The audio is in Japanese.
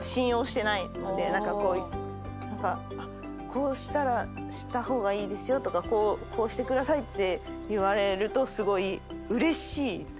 何かこうした方がいいですよとかこうしてくださいって言われるとすごいうれしいというか。